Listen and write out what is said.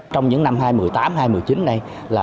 trong những năm hai nghìn một mươi tám hai nghìn một mươi chín này